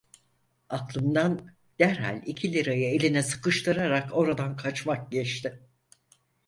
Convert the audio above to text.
Aklımdan derhal iki lirayı eline sıkıştırarak oradan kaçmak geçti.